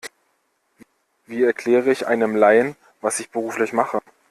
Wie erkläre ich einem Laien, was ich beruflich mache?